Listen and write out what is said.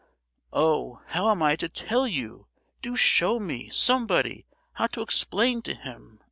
"Oh, how am I to tell you? Do show me, somebody, how to explain to him!